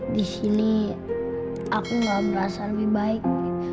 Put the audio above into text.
di sini aku gak merasa lebih baik